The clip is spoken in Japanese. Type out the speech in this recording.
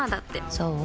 そう？